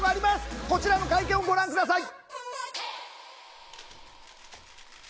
こちらの会見をご覧下さい。